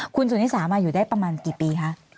คุณสุนิสามาอยู่ได้ประมาณกี่ปีคะ